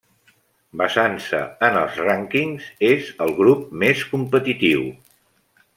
Basant-se en els rànquings, és el grup més competitiu.